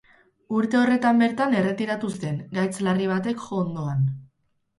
Urte horretan bertan erretiratu zen, gaitz larri batek jo ondoan.